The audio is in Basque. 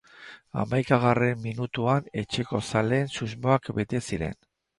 Hamaikagarren minutuan etxeko zaleen susmoak bete ziren.